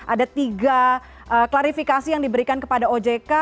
ada tiga klarifikasi yang diberikan kepada ojk